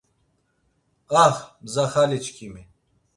Ah mzAhaliçkimi.